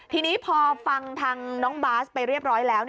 ทีนี้พอฟังทางน้องบาสไปเรียบร้อยแล้ว